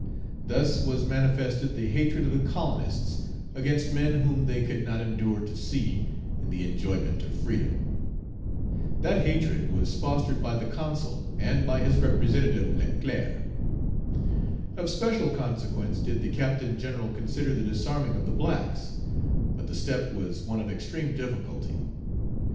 Thus was manifested the hatred of the colonists against men whom they could not endure to see in the enjoyment of freedom. That hatred was fostered by the Consul and by his representative, Leclerc. Of special consequence did the Captain General consider the disarming of the blacks; but the step was one of extreme difficulty.